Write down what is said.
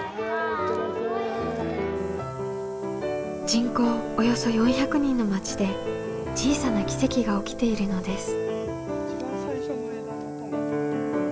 人口およそ４００人の町で小さな奇跡が起きているのです。